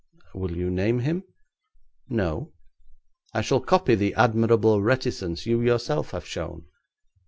'Will you name him?' 'No; I shall copy the admirable reticence you yourself have shown.